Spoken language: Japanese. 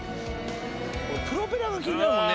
プロペラが気になるもんね。